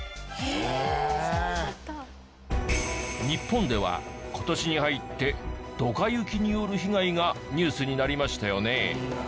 日本では今年に入ってドカ雪による被害がニュースになりましたよね。